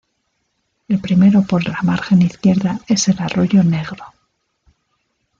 El primero por la margen izquierda es el arroyo Negro.